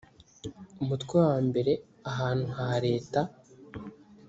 umutwe wa mbere ahantu ha leta